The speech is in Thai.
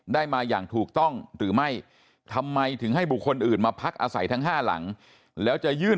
ได้มาอย่างถูกต้องหรือไม่ทำไมถึงให้บุคคลอื่นมาพักอาศัยทั้งห้าหลังแล้วจะยื่น